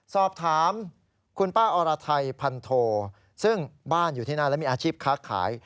สอบถามคุณป้าอรไทยพันโทซึ่งบ้านอยู่ที่นั่นและมีอาชีพค้าขาย